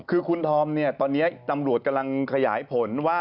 คือคุณธอมเนี่ยตอนนี้ตำรวจกำลังขยายผลว่า